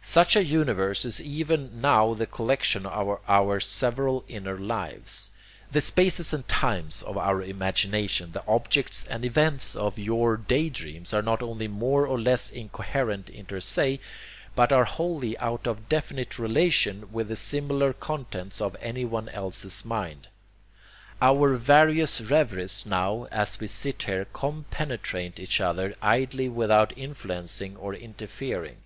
Such a universe is even now the collection of our several inner lives. The spaces and times of your imagination, the objects and events of your day dreams are not only more or less incoherent inter se, but are wholly out of definite relation with the similar contents of anyone else's mind. Our various reveries now as we sit here compenetrate each other idly without influencing or interfering.